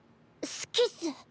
好きっス。